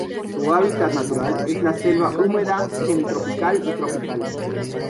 Su hábitat natural es la selva húmeda semitropical y tropical.